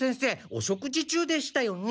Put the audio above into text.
お食事中でしたよね。